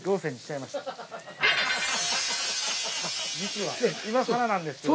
いまさらなんですけど。